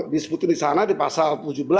disebutkan di sana di pasal tujuh belas